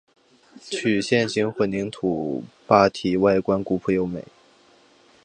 曲线形混凝土坝体外观古朴优美。